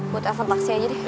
buat event aksi aja deh